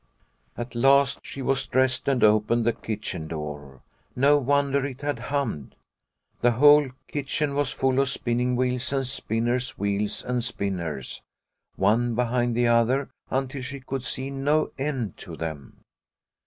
At last she was dressed and opened the kitchen door. No wonder it had hummed ! The whole kitchen was full of spinning wheels and spinners wheels and spinners, one behind the other until she could see no end to them.